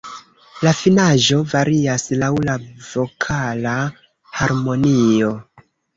La finaĵo varias laŭ la vokala harmonio.